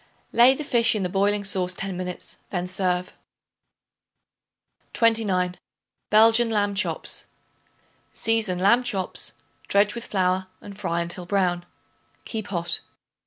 Lay the fish in the boiling sauce ten minutes; then serve. 29. Belgian Lamb Chops. Season lamb chops; dredge with flour and fry until brown; keep hot.